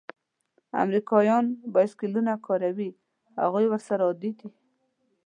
امریکایان بایسکلونه کاروي؟ هغوی ورسره عادي دي.